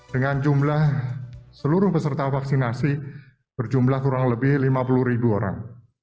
dengan jumlah seluruh peserta vaksinasi berjumlah kurang lebih lima puluh ribu orang